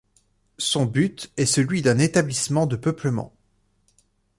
Son but est celui d’un établissement de peuplement.